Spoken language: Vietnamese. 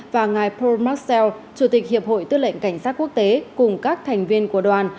và ngài pro maxel chủ tịch hiệp hội tư lệnh cảnh sát quốc tế cùng các thành viên của đoàn